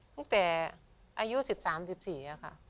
ตั้งแต่อายุ๑๓๑๔ค่ะ